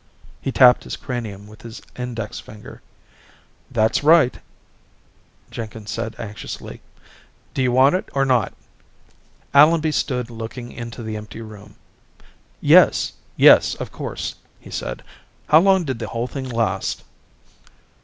He tapped his cranium with his index finger. "That's right," Jenkins said anxiously. "Do you want it or not?" Allenby stood looking into the empty room. "Yes ... yes, of course," he said. "How long did the whole thing last?"